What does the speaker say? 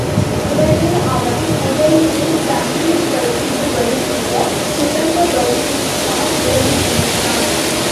உடனே அவன் குகையினுள் தண்ணீர் கசிந்து வருகின்ற சுரங்க வழியைத்தான் முதலில் நினைத்தான்.